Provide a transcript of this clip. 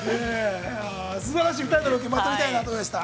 すばらしい２人のロケ、また見たいなと思いました。